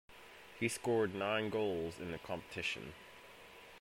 He scored nine goals in the competition.